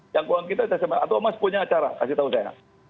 yang kurang kita atau mas punya acara kasih tau saya